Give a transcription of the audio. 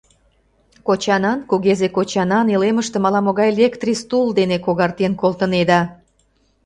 Кочанан, кугезе кочанан илемыштым ала-могай лектрис тул дене когартен колтынеда!